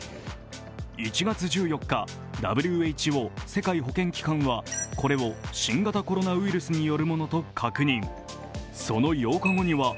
１月１４日、ＷＨＯ＝世界保健機関はこれを新型コロナウイルスによるものと確認。